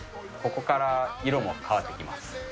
ここから色も変わってきます。